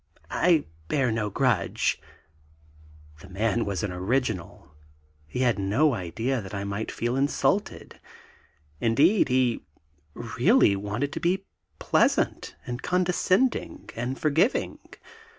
I bear no grudge...." The man was an original. He had no idea that I might feel insulted; indeed, he really wanted to be pleasant, and condescending, and forgiving.